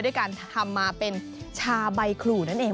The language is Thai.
ด้วยการทำมาเป็นชาใบขลู่นั่นเอง